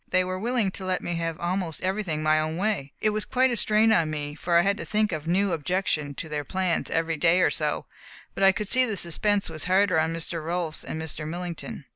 They were willing to let me have almost everything my own way. It was quite a strain on me, for I had to think of a new objection to their plans every day or so, but I could see the suspense was harder on Mr. Rolfs and Mr. Millington.